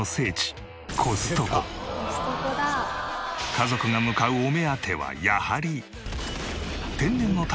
家族が向かうお目当てはやはり。